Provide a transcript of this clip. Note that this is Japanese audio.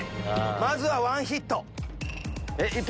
まずはワンヒット。